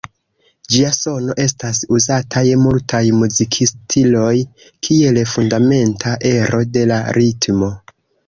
Ĝia sono estas uzata je multaj muzikstiloj kiel fundamenta ero de la ritmo.